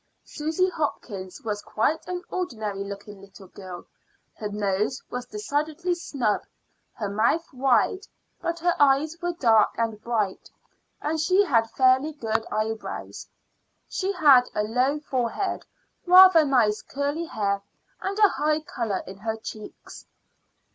Susy Hopkins was quite an ordinary looking little girl. Her nose was decidedly snub, her mouth wide; but her eyes were dark and bright, and she had fairly good eyebrows. She had a low forehead, rather nice curly hair, and a high color in her cheeks.